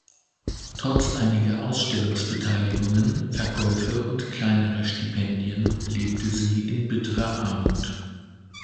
Trotz einiger Ausstellungsbeteiligungen, Verkäufe und kleinerer Stipendien lebte sie in bitterer Armut.